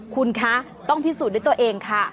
คุณคะต้องพิสูจน์ด้วยตัวเองค่ะ